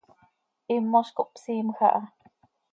Himoz cohpsiimj aha.